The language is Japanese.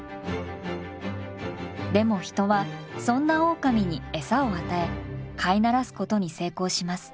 でも人はそんなオオカミにエサを与え飼い慣らすことに成功します。